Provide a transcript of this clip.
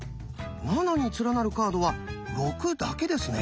「７」に連なるカードは「６」だけですね。